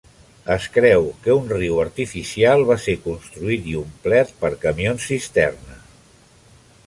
Es creu que un riu artificial va ser construït i omplert per camions cisterna.